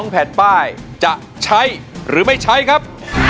แผ่นป้ายจะใช้หรือไม่ใช้ครับ